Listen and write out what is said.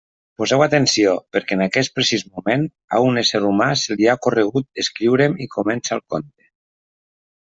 Poseu atenció, perquè en aquest precís moment, a un ésser humà se li ha ocorregut escriure'm i comença el conte.